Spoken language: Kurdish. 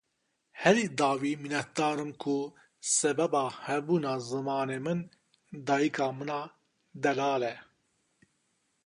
Herî dawî minetdar im ku sebeba hebûna zimanê min dayîka min a delal e.